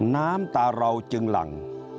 น้ำตาเราจึงหลั่ง